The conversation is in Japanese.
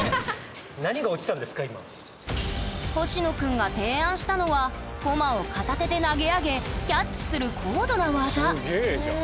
ほしのくんが提案したのはコマを片手で投げ上げキャッチする高度な技すげえじゃん。